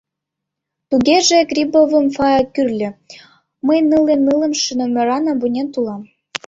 — Тугеже, — Грибовым Фая кӱрльӧ, — мый нылле нылымше номеран абонент улам.